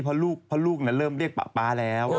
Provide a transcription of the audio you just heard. พ่อลูกนะเริ่มเรียกป๊าป๊าแล้ว